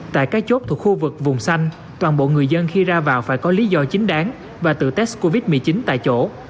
tại các chốt thuộc khu vực vùng xanh toàn bộ người dân khi ra vào phải có lý do chính đáng và tự test covid một mươi chín tại chỗ